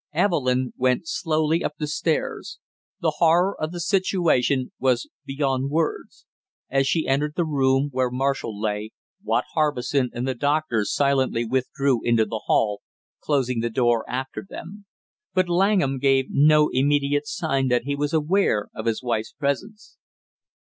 Evelyn went slowly up the stairs. The horror of the situation was beyond words. As she entered the room where Marshall lay, Watt Harbison and the doctor silently withdrew into the hall, closing the door after them; but Langham gave no immediate sign that he was aware of his wife's presence.